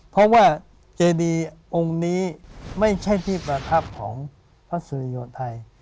เพราะว่าเจดีองค์นี้ไม่ใช่ที่ประทับของพระสุริโยไทย